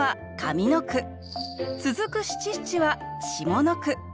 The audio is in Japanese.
続く七七は下の句。